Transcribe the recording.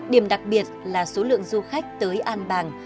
điểm đặc biệt là số lượng du khách tới an bàng